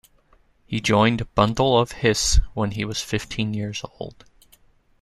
He joined Bundle of Hiss when he was fifteen years old.